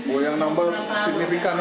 oh yang nambah signifikan ya